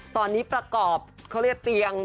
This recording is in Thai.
ตอนนี้ประกอบเขาเรียกเตียง